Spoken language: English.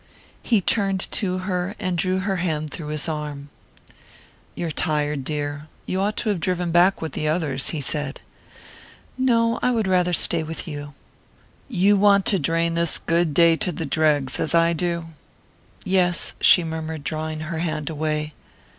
He turned to her and drew her hand through his arm. "You're tired, dear. You ought to have driven back with the others," he said. "No, I would rather stay with you." "You want to drain this good day to the dregs, as I do?" "Yes," she murmured, drawing her hand away.